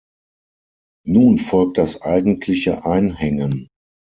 Nun folgt das eigentliche Einhängen.